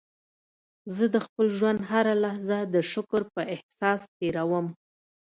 زه د خپل ژوند هره لحظه د شکر په احساس تېرووم.